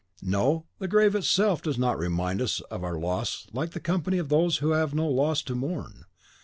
No, the grave itself does not remind us of our loss like the company of those who have no loss to mourn.